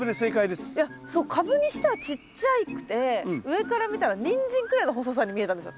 いやそうカブにしてはちっちゃくて上から見たらニンジンくらいの細さに見えたんですよ。